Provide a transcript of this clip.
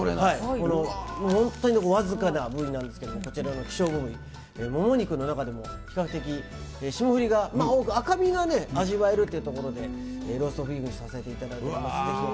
この本当に僅かな部位なんですけど、希少部位、もも肉の中でも比較的霜降りが多く、赤身が味わえるということで、ローストビーフにさせていただいております。